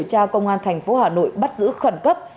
theo tài liệu điều tra công an thành phố hà nội bắt giữ khẩn cấp